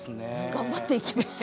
頑張っていきましょう。